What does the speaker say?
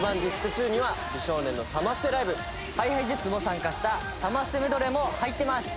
２には美少年のサマステライブ。ＨｉＨｉＪｅｔｓも参加したサマステメドレーも入ってます。